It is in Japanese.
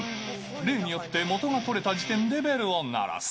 例によって元が取れた時点でベルを鳴らす。